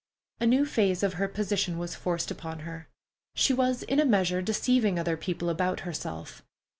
A new phase of her position was forced upon her: she was in a measure deceiving other people about herself.